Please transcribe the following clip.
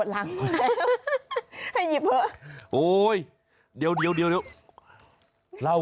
อะไรฮะ